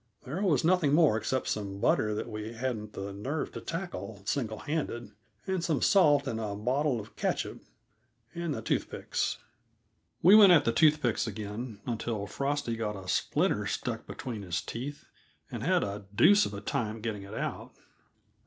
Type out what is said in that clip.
There was nothing more except some butter that we hadn't the nerve to tackle single handed, and some salt and a bottle of ketchup and the toothpicks. We went at the toothpicks again; until Frosty got a splinter stuck between his teeth, and had a deuce of a time getting it out.